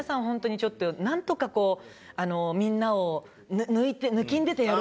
本当にちょっとなんとかこうみんなを抜いて。